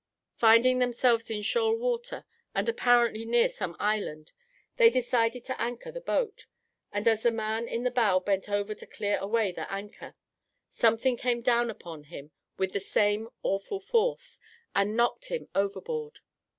Finding themselves in shoal water, and apparently near some island, they decided to anchor the boat; and as the man in the bow bent over to clear away the anchor, something came down upon him with the same awful force, and knocked him overboard.